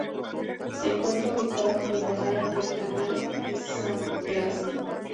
Se encuentra ubicado en la entrada del canal de San Erasmo.